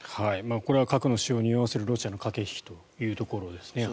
これは核の使用をにおわせるロシアの駆け引きというところですね。